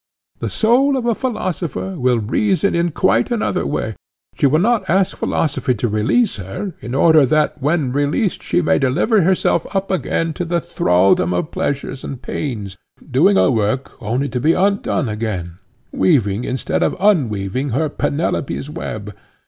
The soul of a philosopher will reason in quite another way; she will not ask philosophy to release her in order that when released she may deliver herself up again to the thraldom of pleasures and pains, doing a work only to be undone again, weaving instead of unweaving her Penelope's web.